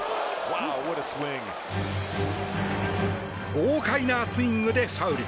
豪快なスイングでファウル。